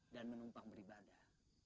dan menumpang beribadah